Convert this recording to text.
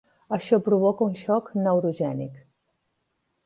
Això provoca un xoc neurogènic.